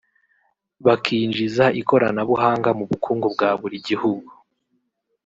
bakinjiza ikoranabuhanga mu bukungu bwa buri gihugu